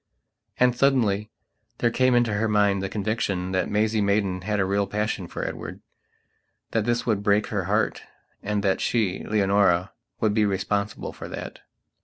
And, suddenly, there came into her mind the conviction that Maisie Maidan had a real passion for Edward; that this would break her heartand that she, Leonora, would be responsible for that.